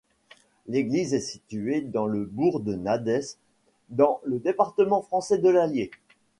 L'église est située dans le bourg de Nades, dans le département français de l'Allier.